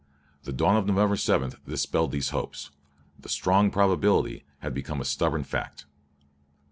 The dawn of November 7 dispelled these hopes. The "strong probability" had become a stubborn fact.